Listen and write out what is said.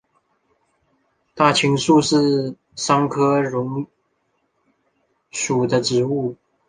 大青树是桑科榕属的植物。